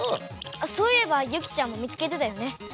そういえばユキちゃんも見つけてたよね。